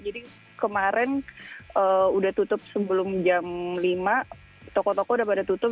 jadi kemarin udah tutup sebelum jam lima toko toko udah pada tutup